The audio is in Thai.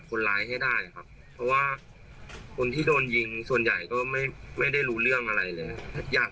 อุบอาดมาก